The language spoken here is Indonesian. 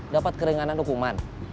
dapat keringanan hukuman